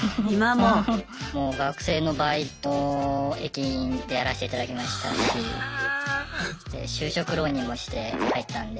もう学生のバイト駅員でやらせていただきましたし就職浪人もして入ったんで。